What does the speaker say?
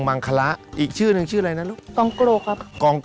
มาคุยกันหน่อยครับ